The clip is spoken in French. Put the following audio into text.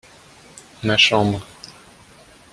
ma chambre.